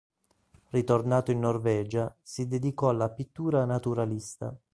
Ritornato in Norvegia, si dedicò alla pittura naturalista.